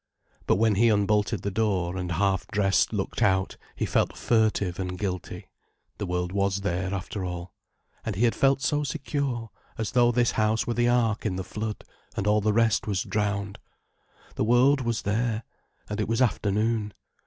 But when he unbolted the door, and, half dressed, looked out, he felt furtive and guilty. The world was there, after all. And he had felt so secure, as though this house were the Ark in the flood, and all the rest was drowned. The world was there: and it was afternoon.